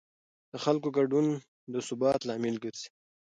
د خلکو ګډون د ثبات لامل ګرځي